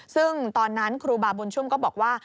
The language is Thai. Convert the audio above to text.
ซึ่งตอนนั้นครูบาบุญชุ่มก็บอกว่า